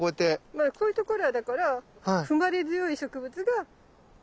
まあこういうところはだから踏まれ強い植物が残って。